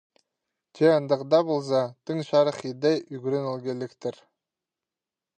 Че андағ даа полза, тың чарых иде ӱгренілгелектер.